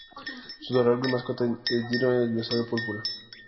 Su adorable mascota es Dino, un dinosaurio púrpura.